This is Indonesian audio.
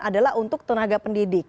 adalah untuk tenaga pendidik